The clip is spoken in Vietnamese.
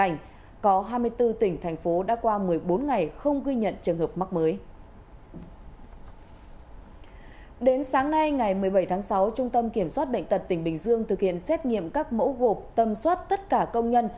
đến sáng nay ngày một mươi bảy tháng sáu trung tâm kiểm soát bệnh tật tỉnh bình dương thực hiện xét nghiệm các mẫu gộp tâm soát tất cả công nhân